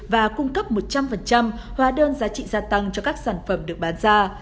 và cung cấp một trăm linh hóa đơn giá trị gia tăng cho các sản phẩm được bán ra